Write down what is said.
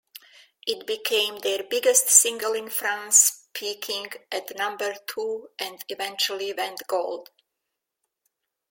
It became their biggest single in France-peaking at number two--and eventually went Gold.